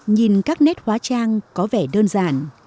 nhìn các nét hóa trang có vẻ đơn giản